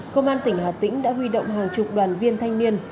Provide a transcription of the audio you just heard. công an tỉnh hà tĩnh đã huy động hàng chục đoàn viên thanh niên